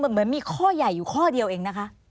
เหมือนมีข้อใหญ่อยู่ข้อเดียวเองนะคะ